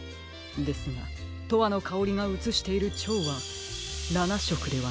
ですが「とわのかおり」がうつしているチョウは７しょくではなく５しょくです。